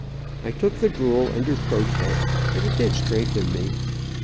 I took the gruel under protest but it did strengthen me.